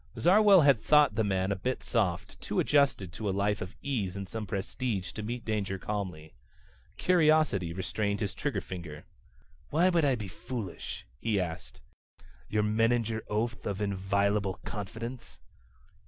Zarwell had thought the man a bit soft, too adjusted to a life of ease and some prestige to meet danger calmly. Curiosity restrained his trigger finger. "Why would I be foolish?" he asked. "Your Meninger oath of inviolable confidence?"